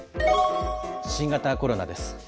新型コロナです。